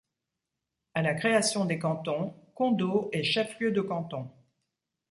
À la création des cantons, Condeau est chef-lieu de canton.